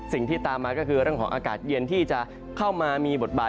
สิ่งที่ตามมาก็คือเรื่องของอากาศเย็นที่จะเข้ามามีบทบาท